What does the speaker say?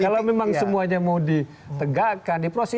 kalau memang semuanya mau ditegakkan diproses